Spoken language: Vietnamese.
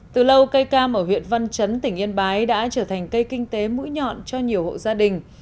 từ lâu cây cam ở huyện văn chấn tỉnh yên bái đã trở thành cây kinh tế mũi nhọn cho nhiều hộ gia đình